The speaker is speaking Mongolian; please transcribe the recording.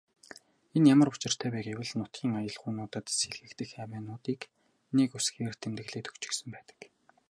Энэ ямар учиртай вэ гэвэл нутгийн аялгуунуудад сэлгэгдэх авиануудыг нэг үсгээр тэмдэглээд өгчихсөн байдаг.